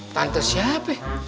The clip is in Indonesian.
tante siap ya